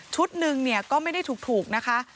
ชุดหนึ่งก็ไม่ได้ถูกนะคะ